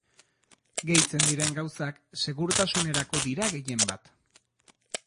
Gehitzen diren gauzak segurtasunerako dira gehienbat.